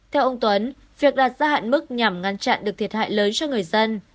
theo ông tuấn việc đặt ra hạn mức nhằm ngăn chặn được thiệt hại lớn cho người dân